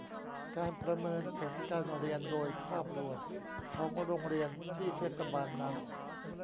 การประเมินผลการเรียนโดยภาพรวมของโรงเรียนที่เทศบาลนั้น